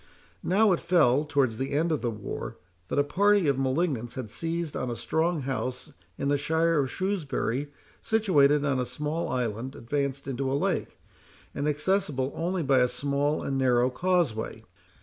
Now, it fell, towards the end of the war, that a party of malignants had seized on a strong house in the shire of Shrewsbury, situated on a small island advanced into a lake, and accessible only by a small and narrow causeway.